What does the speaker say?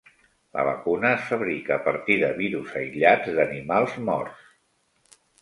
La vacuna es fabrica a partir de virus aïllats d'animals morts.